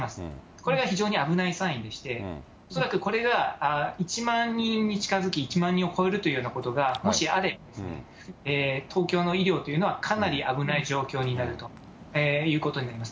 これが非常に危ないサインでして、恐らくこれが１万人に近づき、１万人を超えるというようなことがもしあればですね、東京の医療というのはかなり危ない状況になるということになります。